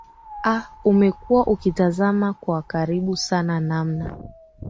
aa umekuwa ukitazama kwa karibu sana namna